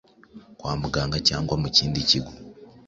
kwa muganga cyangwa mu kindi kigo